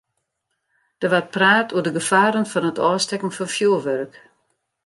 Der waard praat oer de gefaren fan it ôfstekken fan fjoerwurk.